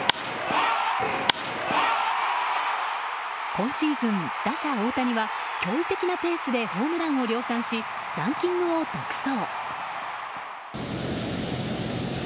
今シーズン、打者・大谷は驚異的なペースでホームランを量産しランキングを独走。